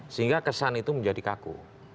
sehingga kesan itu menjadi kaku